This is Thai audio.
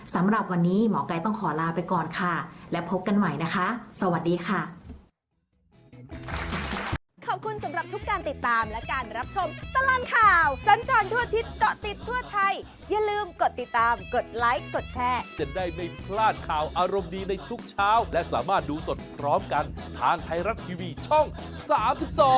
สำหรับวันนี้หมอกัยต้องขอลาไปก่อนค่ะและพบกันใหม่นะคะสวัสดีค่ะ